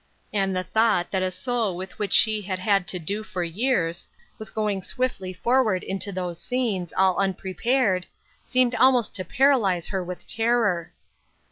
And the thought that a soul with which she had had to do for years, was going swiftly for ward into those scenes, all unprepared, seemed almost to paralyze her with terror.